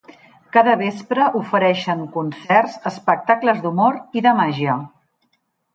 Cada vespre ofereixen concerts, espectacles d’humor i de màgia.